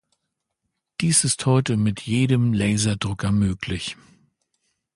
Dies ist heute mit jedem Laserdrucker möglich.